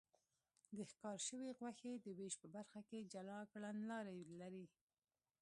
د ښکار شوې غوښې د وېش په برخه کې جلا کړنلارې لري.